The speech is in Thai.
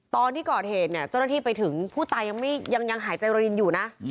ตอนที่ก่อเหตุเนี่ยเจ้าหน้าที่ไปถึงผู้ตายยังหายใจโรลินอยู่นะ